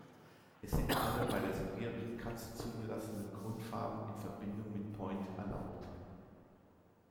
Es sind alle bei der Sibirischen Katze zugelassene Grundfarben in Verbindung mit point erlaubt.